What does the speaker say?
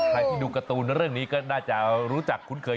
ใครที่ดูการ์ตูนเรื่องนี้ก็น่าจะรู้จักคุ้นเคย